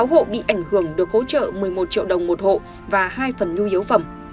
sáu hộ bị ảnh hưởng được hỗ trợ một mươi một triệu đồng một hộ và hai phần nhu yếu phẩm